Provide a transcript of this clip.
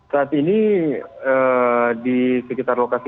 saat ini di sekitar lokasi